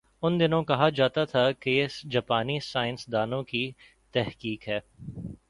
ان دنوں کہا جاتا تھا کہ یہ جاپانی سائنس دانوں کی تحقیق ہے۔